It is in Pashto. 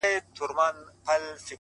دادی ټکنده غرمه ورباندي راغله ـ